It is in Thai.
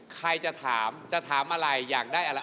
ใครจะถามจะถามอะไรอยากได้อะไร